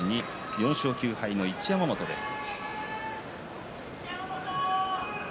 ４勝９敗の一山本です。